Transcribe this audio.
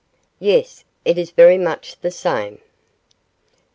Yes, it is very much the same.